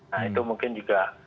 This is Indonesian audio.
nah itu mungkin juga